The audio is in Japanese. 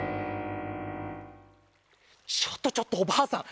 ちょっとちょっとおばあさん